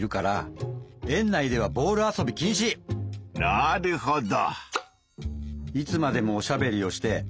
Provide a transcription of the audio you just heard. なるほど！